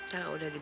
kalau udah gede